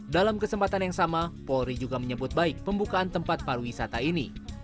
dalam kesempatan yang sama polri juga menyebut baik pembukaan tempat pariwisata ini